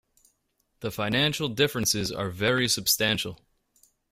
The financial differences are very substantial.